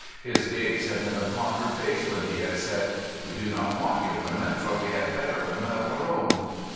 His gaze had been upon her face when he had said, "We do not want your women, for we have better women of our own."